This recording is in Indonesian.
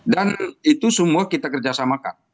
itu semua kita kerjasamakan